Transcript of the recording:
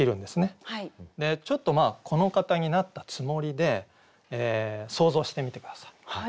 ちょっとまあこの方になったつもりで想像してみて下さい。